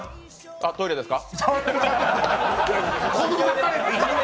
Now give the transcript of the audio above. あ、トイレですか？